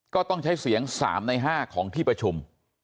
ก็ต้องใช้เสียง๓ใน๕ของที่ประชุม